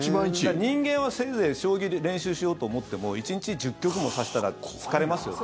人間はせいぜい将棋、練習しようと思っても１日１０局も指したら疲れますよ。